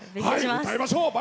歌いましょう。